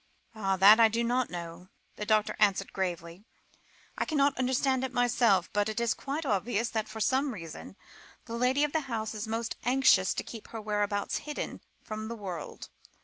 "Ah! that I do not know," the doctor answered gravely. "I can't understand it myself, but it is quite obvious that for some reason the lady of the house is most anxious to keep her whereabouts hidden from the world.